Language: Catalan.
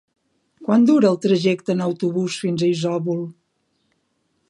Quant dura el trajecte en autobús fins a Isòvol?